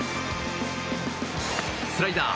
スライダー。